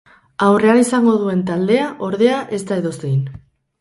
Aurrean izango duen taldea, ordea, ez da edozein.